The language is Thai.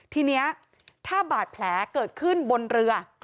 ทีนี้ถ้าบาดแผลเกิดขึ้นบนเรือ